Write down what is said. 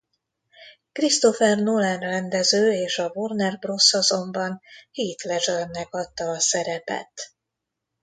Christopher Nolan rendező és a Warner Bros. azonban Heath Ledgernek adta a szerepet.